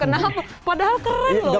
kenapa padahal keren loh